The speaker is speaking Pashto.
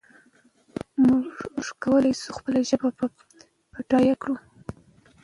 موږ کولای شو خپله ژبه بډایه کړو.